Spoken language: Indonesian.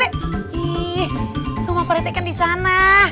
nih rumah pak rt kan di sana